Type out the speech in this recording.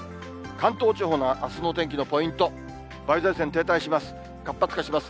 関東地方のあすのお天気のポイント、梅雨前線停滞します。